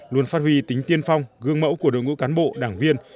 luôn phát huy tính tiên phong gương mẫu của đội ngũ cán bộ đảng viên